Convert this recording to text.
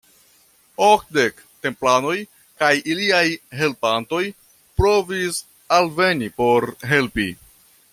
Okdek templanoj kaj iliaj helpantoj provis alveni por helpi.